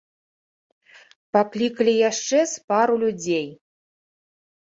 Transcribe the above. Паклікалі яшчэ з пару людзей.